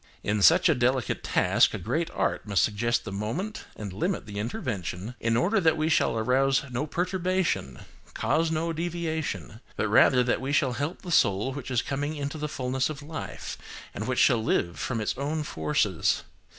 In such a delicate task, a great art must suggest the moment, and limit the intervention, in order that we shall arouse no perturbation, cause no deviation, but rather that we shall help the soul which is coming into the fulness of life, and which shall live from its own forces.